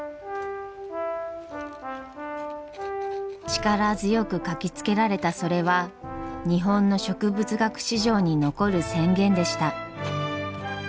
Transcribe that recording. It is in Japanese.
力強く書きつけられたそれは日本の植物学史上に残る宣言でした。